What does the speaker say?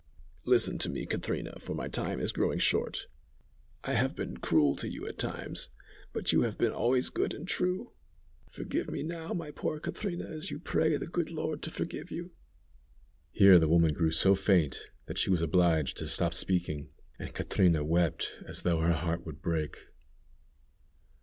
"Listen to me, Catrina, for my time is growing short. I have been cruel to you at times, but you have been always good and true. Forgive me now, my poor Catrina as you pray the good Lord to forgive you." Here the woman grew so faint that she was obliged to stop speaking, and Catrina wept as though her heart would break.